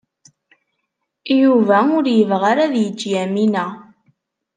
Yuba ur yebɣi ara ad yeǧǧ Yamina.